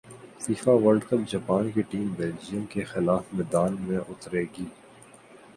FIFA world cup Japan کی team Belgium کیخلاف میدان میں اترے گی